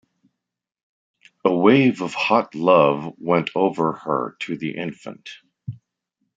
A wave of hot love went over her to the infant.